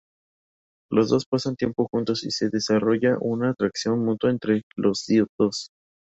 Los dos pasan tiempo juntos, y se desarrolla una atracción mutua entre los dos.